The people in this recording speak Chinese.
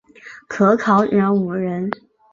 可考者五人。